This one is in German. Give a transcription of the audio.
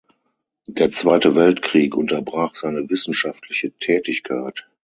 Der Zweite Weltkrieg unterbrach seine wissenschaftliche Tätigkeit.